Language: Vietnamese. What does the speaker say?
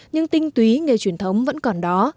nhưng tinh túy nghề truyền thống vẫn còn đó